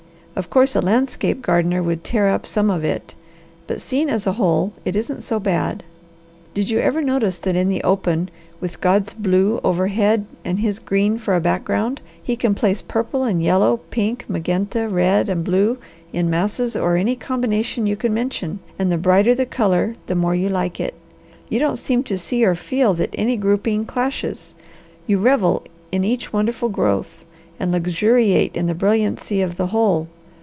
Of course a landscape gardener would tear up some of it, but seen as a whole it isn't so bad. Did you ever notice that in the open, with God's blue overhead and His green for a background, He can place purple and yellow, pink, magenta, red, and blue in masses or any combination you can mention and the brighter the colour the more you like it? You don't seem to see or feel that any grouping clashes; you revel in each wonderful growth, and luxuriate in the brilliancy of the whole.